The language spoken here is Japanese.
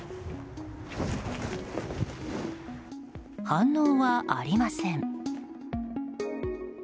反応はありません。